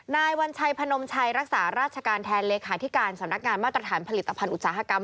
นายวัญชัยพนมชัยรักษาราชการแทนเลขาธิการสำนักงานมาตรฐานผลิตภัณฑ์อุตสาหกรรม